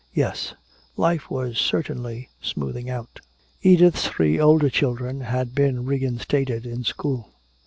Yes, life was certainly smoothing out. Edith's three older children had been reinstated in school.